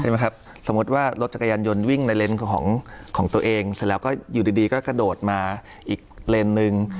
สมมุติว่ารถจักรยานยนต์วิ่งในเลนส์ของตัวเองเสร็จแล้วก็อยู่ดีก็กระโดดมาอีกเลนส์นึง